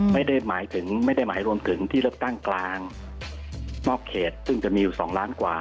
ไม่ได้หมายถึงละตั้งกลางนอกเหตุซึ่งจะมีอยู่๒ล้านตัว